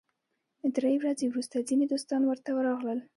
درې ورځې وروسته ځینې دوستان ورته راغلل.